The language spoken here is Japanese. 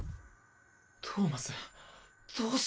トーマスどうして。